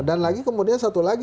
dan lagi kemudian satu lagi